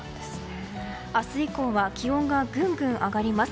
明日以降は気温がぐんぐん上がります。